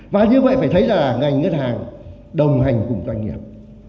và như vậy phải thấy là ngành ngân hàng đồng hành cùng doanh nghiệp